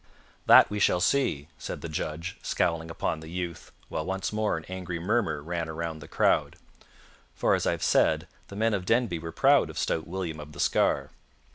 "That we shall see," said the judge, scowling upon the youth, while once more an angry murmur ran around the crowd; for, as I have said, the men of Denby were proud of stout William of the Scar.